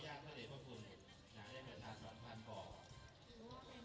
ภาพอันน้ำมานืงและต้องแพลงมือ